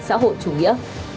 xã hội chủ nghĩa